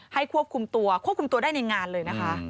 ควบคุมตัวควบคุมตัวได้ในงานเลยนะคะ